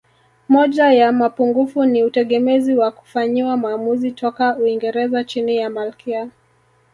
Moja ya mapungufu ni utegemezi wa kufanyiwa maamuzi toka Uingereza chini ya Malkia